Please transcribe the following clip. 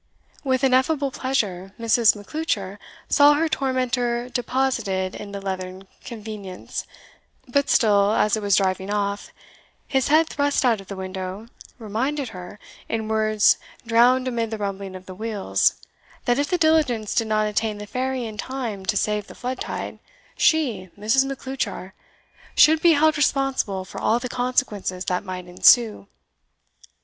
With ineffable pleasure, Mrs. Macleuchar saw her tormentor deposited in the leathern convenience; but still, as it was driving off, his head thrust out of the window reminded her, in words drowned amid the rumbling of the wheels, that, if the diligence did not attain the Ferry in time to save the flood tide, she, Mrs. Macleuchar, should be held responsible for all the consequences that might ensue.